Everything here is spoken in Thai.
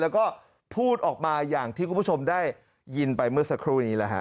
แล้วก็พูดออกมาอย่างที่คุณผู้ชมได้ยินไปเมื่อสักครู่นี้แหละฮะ